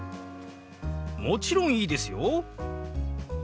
もちろんいいですよ！